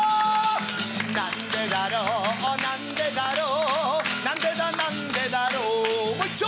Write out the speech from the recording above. なんでだろうなんでだろうなんでだなんでだろうもういっちょ！